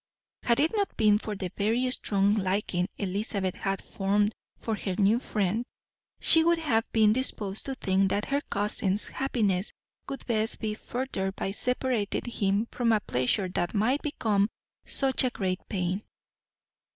Had it not been for the very strong liking Elizabeth had formed for her new friend, she would have been disposed to think that her cousin's happiness would best be furthered by separating him from a pleasure that might become such great pain.